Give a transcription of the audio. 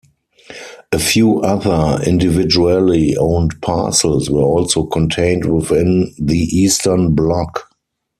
A few other individually owned parcels were also contained within the eastern block.